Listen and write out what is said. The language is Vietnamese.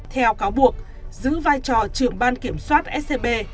theo cáo buộc giữ vai trò trưởng ban kiểm soát scb